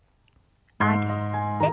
上げて。